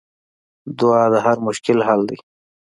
دعا د هر مشکل حل دی.